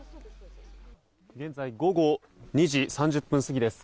現在午後２時３０分過ぎです。